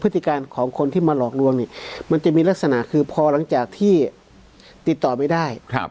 ติการของคนที่มาหลอกลวงเนี่ยมันจะมีลักษณะคือพอหลังจากที่ติดต่อไม่ได้